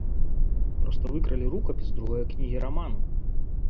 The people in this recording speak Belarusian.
Проста выкралі рукапіс другой кнігі раману.